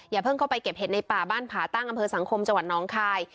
เพิ่งเข้าไปเก็บเห็ดในป่าบ้านผาตั้งอำเภอสังคมจังหวัดน้องคาย